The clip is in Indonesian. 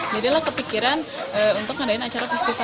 jadilah kepikiran untuk mengadain acara